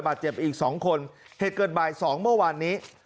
เจ็บอีกสองคนเหตุเกิดบ่ายสองเมื่อวานนี้